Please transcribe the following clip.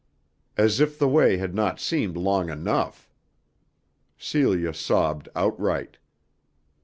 As if the way had not seemed long enough! Celia sobbed outright.